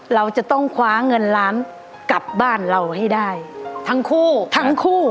เราจะต้องคว้าเงินล้านกลับบ้านเราให้ได้ทั้งคู่ทั้งคู่